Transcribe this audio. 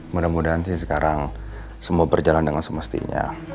mudah mudahan sih sekarang semua berjalan dengan semestinya